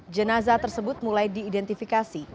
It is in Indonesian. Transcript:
jenazah tersebut mulai diidentifikasi